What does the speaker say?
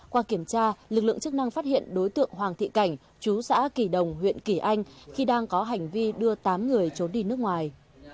qua kiểm tra lực lượng chức năng phát hiện đối tượng hoàng thị cảnh chú xã kỳ đồng huyện kỳ anh khi đang có hành vi đưa tám người trốn đi nước ngoài